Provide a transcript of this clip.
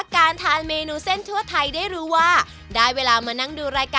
ก็ประมาณ๓ชั่วโมง